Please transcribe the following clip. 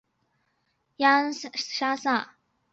雅恩莎撒。